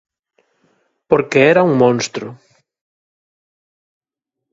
Porque era un monstro.